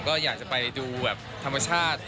ก็อยากจะไปดูแบบธรรมชาติ